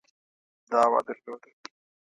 دعوه درلوده.